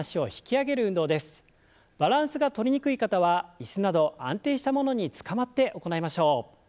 バランスがとりにくい方は椅子など安定したものにつかまって行いましょう。